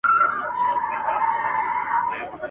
نه منګي ځي تر ګودره نه د پېغلو کتارونه !.